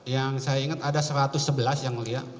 yang saya ingat ada rp satu ratus sebelas juta